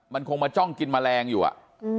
มันคงมาจ้องกินแมลงอยู่อ่ะ